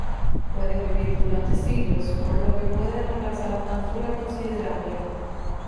Puede vivir durante siglos, por lo que pueden alcanzar una altura considerable.